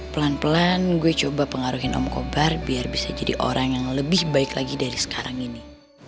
pelan pelan gue coba pengaruhin om kobar biar bisa jadi orang yang lebih baik lagi dari sekarang ini